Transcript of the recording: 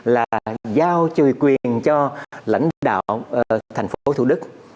là giao trừ quyền cho lãnh đạo thành phố thủ đức